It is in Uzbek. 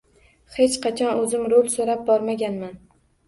Hech qachon o‘zim rol so‘rab bormaganman.